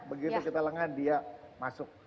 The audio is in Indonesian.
begitu kita lengah dia masuk